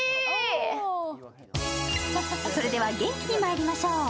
それでは元気にまいりましょう。